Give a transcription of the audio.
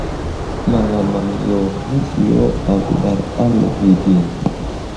Malamaŋ yo məsliyo a guɓar a lovige.